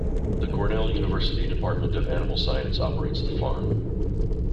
The Cornell University Department of Animal Science operates the farm.